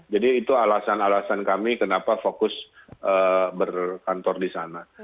jadi itu alasan alasan kami kenapa fokus berkantor di sana